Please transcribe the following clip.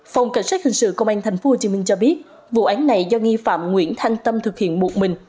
phòng cảnh sát hình sự công an tp hcm cho biết vụ án này do nghi phạm nguyễn thanh tâm thực hiện một mình